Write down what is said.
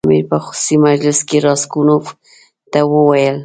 امیر په خصوصي مجلس کې راسګونوف ته وویل.